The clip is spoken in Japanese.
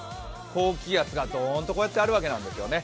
高気圧がこうやってドーンとあるわけなんですね。